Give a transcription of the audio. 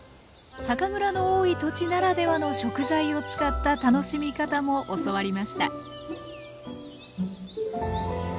酒蔵の多い土地ならではの食材を使った楽しみ方も教わりました